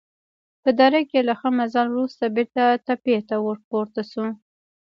په دره کې له ښه مزل وروسته بېرته تپې ته ورپورته شوو.